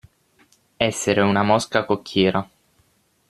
Essere una mosca cocchiera.